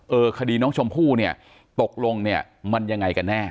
เออคดีน้องชมพู่เนี่ยตกลงเนี่ยมันยังไงกันแน่